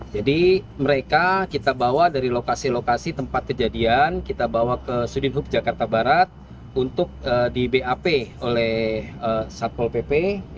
jadi mereka kita bawa dari lokasi lokasi tempat kejadian kita bawa ke sudin hub jakarta barat untuk di bap oleh satpol pp